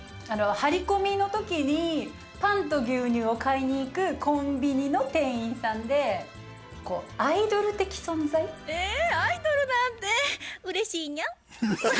張り込みの時にパンと牛乳を買いに行くコンビニの店員さんでこうアイドル的存在？えアイドルなんてうれしいニャン。